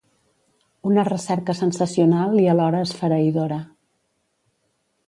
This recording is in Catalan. Una recerca sensacional i alhora esfereïdora.